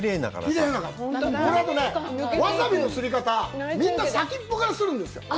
わさびのすり方、みんな先っぽからするんですよ。